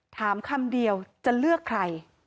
คำเดียวจะเลือกใคร